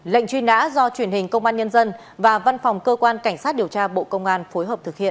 lệnh truy nã do truyền hình công an nhân dân và văn phòng cơ quan cảnh sát điều tra bộ công an phối hợp thực hiện